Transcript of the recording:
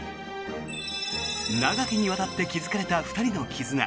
長きにわたって築かれた２人の絆。